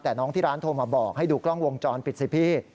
แต่น้องที่ร้านโทรมาบอกให้ดูกล้องวงจรปิดสิพี่